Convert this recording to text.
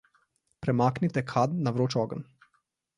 Premaknite kad na vroč ogenj.